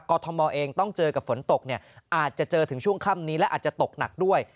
ทมเองต้องเจอกับฝนตกอาจจะเจอถึงช่วงค่ำนี้และอาจจะตกหนักด้วย